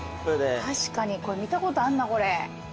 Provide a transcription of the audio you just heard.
確かにこれ見たことあんなこれ。